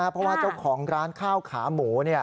เพราะว่าเจ้าของร้านข้าวขาหมู